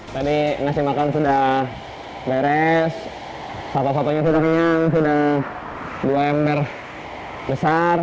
tadi nasi makan sudah beres sapa sapanya sudah kenyang sudah dua ember besar